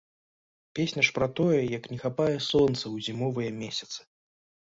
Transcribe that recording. Песня ж пра тое, як не хапае сонца ў зімовыя месяцы.